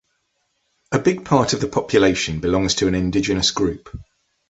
A big part of the population belongs to an indigenous group.